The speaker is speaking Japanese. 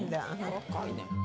若いね。